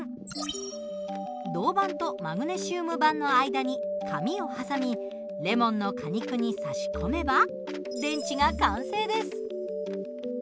銅板とマグネシウム板の間に紙を挟みレモンの果肉に差し込めば電池が完成です。